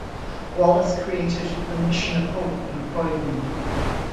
Wallis created the "Mission of Hope" in Croydon.